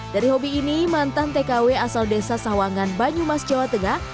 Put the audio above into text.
dari hobi ini mantan tkw asal desa sawangan banyumas jawa tengah